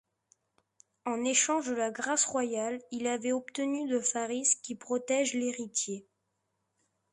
En échange de la grâce royale, il avait obtenu de Faris qu'il protège l'héritier.